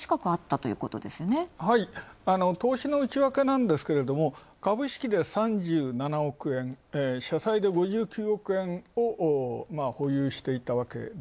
はい、投資の内訳なんですけど、株式で３７億円、社債で５９億円を保有していた。